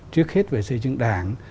trước hết về xây dựng đảng